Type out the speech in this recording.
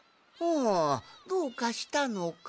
どうかしたのか？